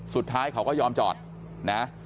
สุดท้ายเขาก็ยอมจอดนะ